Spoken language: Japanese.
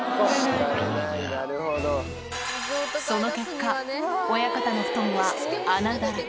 その結果、親方の布団は穴だらけ。